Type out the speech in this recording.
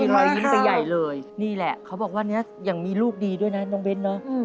เขาบอกว่าอย่างมีลูกดีด้วยนะน้องเบชน์เนอะ